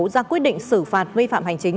ra quyết định xử phạt vi phạm hành chính